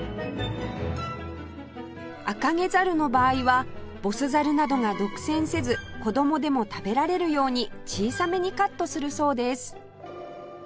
アカゲザルの場合はボスザルなどが独占せず子供でも食べられるように小さめにカットするそうです